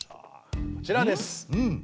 こちらです。